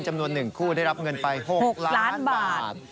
จำนวน๑คู่ได้รับเงินไป๖ล้านบาท